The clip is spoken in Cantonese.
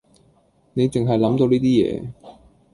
你淨係諗到呢啲嘢